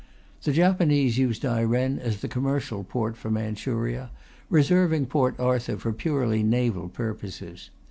The Japanese use Dairen as the commercial port for Manchuria, reserving Port Arthur for purely naval purposes.